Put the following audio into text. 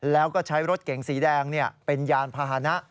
แล้วก็ใช้รถเก๋งสีแดงเป็นยานพาหนะ